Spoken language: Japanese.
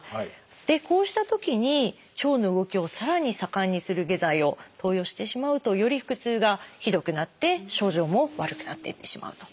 でこうしたときに腸の動きをさらに盛んにする下剤を投与してしまうとより腹痛がひどくなって症状も悪くなっていってしまうと。